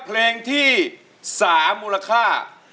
เพลงที่๓มูลค่า